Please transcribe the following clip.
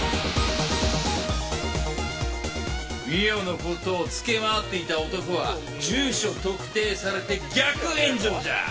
澪の事をつけまわっていた男は住所特定されて逆炎上じゃ！